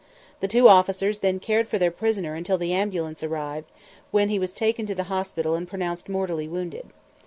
The two officers then cared for their prisoner until the ambulance arrived, when he was taken to the hospital and pronounced mortally wounded.